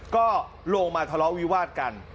ก็ลงมาทะเลาะวิวาดกัน